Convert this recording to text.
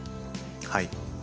はい。